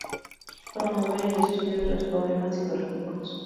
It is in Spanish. Promover el estudio de los problemas geográficos.